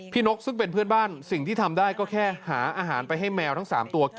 พี่นกซึ่งเป็นเพื่อนบ้านสิ่งที่ทำได้ก็แค่หาอาหารที่ยังถึงที่๓ตัว